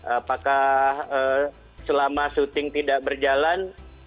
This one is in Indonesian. apakah selama syuting tidak berjalan